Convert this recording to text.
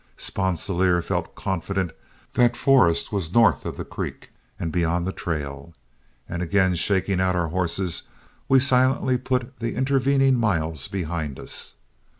Sponsilier felt confident that Forrest was north of the creek and beyond the trail, and again shaking out our horses, we silently put the intervening miles behind us.